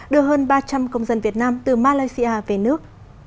đưa hơn ba trăm linh công dân việt nam từ malaysia về nước